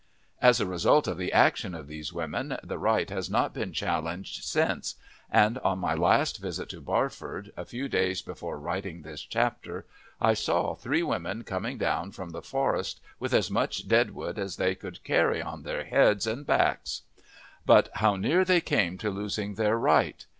As a result of the action of these women the right has not been challenged since, and on my last visit to Barford, a few days before writing this chapter, I saw three women coming down from the forest with as much dead wood as they could carry on their heads and backs. But how near they came to losing their right!